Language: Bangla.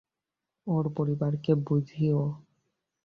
ওর পরিবারকে বুঝিও।